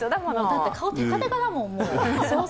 だって、顔テカテカだもん。